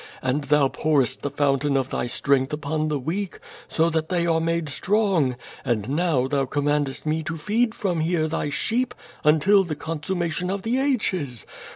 And Thou pourest the fountain of Thy strength upon the weak, so that they are made strong; and now Thou commandest me to feed from here Thy sheep until the consummation of the ages.